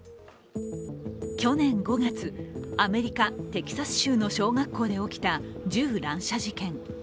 去年５月、アメリカ・テキサス州の小学校で起きた銃乱射事件。